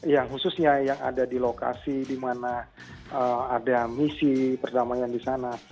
yang khususnya yang ada di lokasi di mana ada misi perdamaian di sana